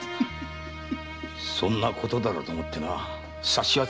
そんなことだろうと思ってな察しはついていたよ。